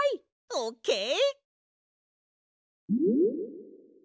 オッケー！